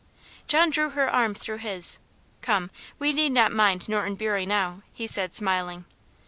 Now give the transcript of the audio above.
John drew her arm through his. "Come, we need not mind Norton Bury now," he said, smiling.